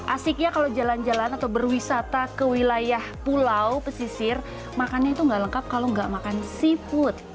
asiknya kalau jalan jalan atau berwisata ke wilayah pulau pesisir makannya itu nggak lengkap kalau nggak makan seafood